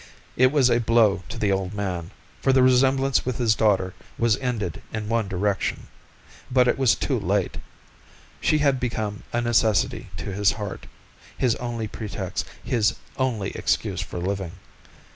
It was a blow to the old man, for the resemblance with his daughter was ended in one direction, but it was too late. She had become a necessity to his heart, his only pretext, his only excuse, for living.